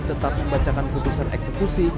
tetap membacakan keputusan eksekusi